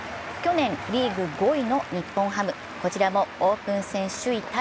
去年リーグ５位の日本ハム、こちらもオープン戦首位